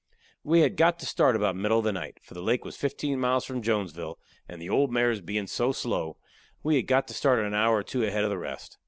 We had got to start about the middle of the night; for the lake was fifteen miles from Jonesville, and the old mare's bein' so slow, we had got to start an hour or two ahead of the rest.